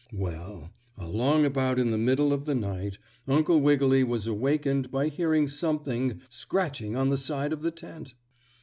Well, along about in the middle of the night Uncle Wiggily was awakened by hearing something scratching on the side of the tent.